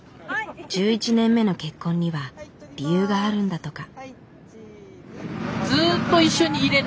１１年目の結婚には理由があるんだとか。